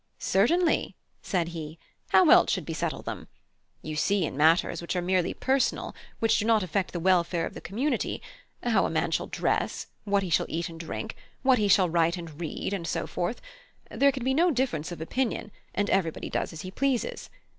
"Certainly," said he; "how else could we settle them? You see in matters which are merely personal which do not affect the welfare of the community how a man shall dress, what he shall eat and drink, what he shall write and read, and so forth there can be no difference of opinion, and everybody does as he pleases.